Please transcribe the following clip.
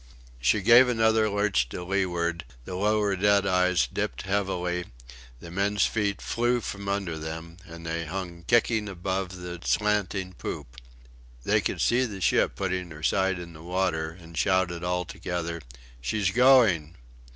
She gave another lurch to leeward; the lower deadeyes dipped heavily; the men's feet flew from under them, and they hung kicking above the slanting poop. They could see the ship putting her side in the water, and shouted all together: "She's going!"